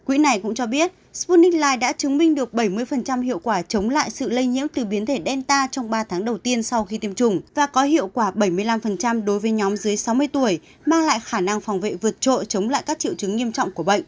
quỹ này cũng cho biết sputnik ligh đã chứng minh được bảy mươi hiệu quả chống lại sự lây nhiễm từ biến thể delta trong ba tháng đầu tiên sau khi tiêm chủng và có hiệu quả bảy mươi năm đối với nhóm dưới sáu mươi tuổi mang lại khả năng phòng vệ vượt trội chống lại các triệu chứng nghiêm trọng của bệnh